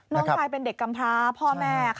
น้องชายเป็นเด็กกรรมพราเม่